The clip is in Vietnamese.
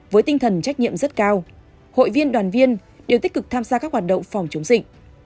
với tinh thần trách nhiệm rất cao hội viên đoàn viên đều tích cực tham gia các hoạt động phòng chống dịch